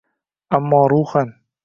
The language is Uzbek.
Ammo ruhan